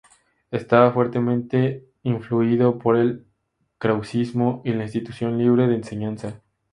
Estaba fuertemente influido por el krausismo y la Institución Libre de Enseñanza.